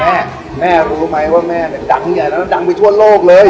แม่แม่รู้ไหมว่าแม่เนี่ยดังใหญ่แล้วดังไปทั่วโลกเลย